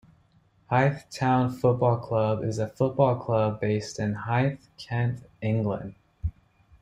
Hythe Town Football Club is a football club based in Hythe, Kent, England.